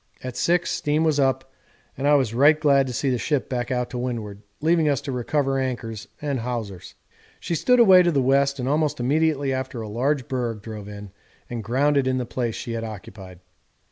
At 6 steam was up, and I was right glad to see the ship back out to windward, leaving us to recover anchors and hawsers. She stood away to the west, and almost immediately after a large berg drove in and grounded in the place she had occupied.